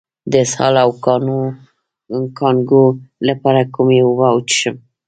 د اسهال او کانګو لپاره کومې اوبه وڅښم؟